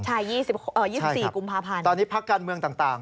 ใช่๒๔กลุงภาพันธ์ใช่ครับตอนนี้ในพักการเมืองต่าง